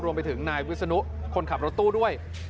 รวมไปถึงนายวิศนุคนขับรถตู้ด้วย